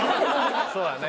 そうだね。